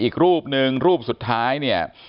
อีกรูปนึงรูปสุดท้ายเนี่ย